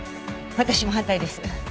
私も反対です。